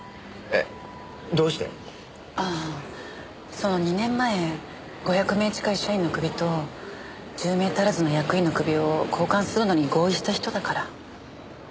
その２年前５００名近い社員のクビと１０名足らずの役員のクビを交換するのに合意した人だから。